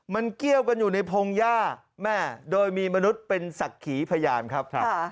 มันเกี้ยวกันอยู่ในพงหญ้าแม่โดยมีมนุษย์เป็นศักดิ์ขีพยานครับ